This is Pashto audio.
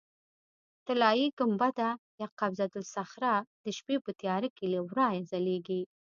طلایي ګنبده یا قبة الصخره د شپې په تیاره کې له ورایه ځلېږي.